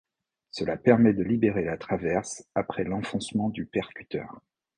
Cela permet de libérer la traverse après l'enfoncement du percuteur.